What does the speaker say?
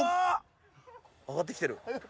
上がってきてる。